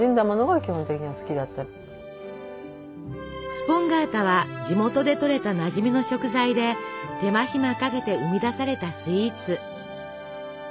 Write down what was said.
スポンガータは地元でとれたなじみの食材で手間暇かけて生み出されたスイーツ。